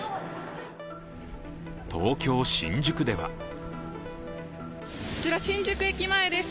東京・新宿ではこちら、新宿駅前です。